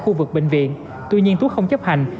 khu vực bệnh viện tuy nhiên tú không chấp hành